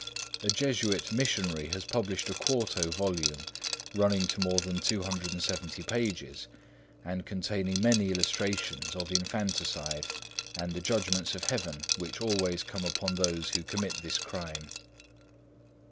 A Jesuit missionary has published a quarto volume, running to more than 270 pages, and containing many illustrations of infanticide, and the judgments of Heaven which always come upon those who commit this crime.